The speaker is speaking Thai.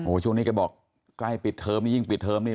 ช่วงนี้แกบอกใกล้ปิดเทอมนี่ยิ่งปิดเทอมนี่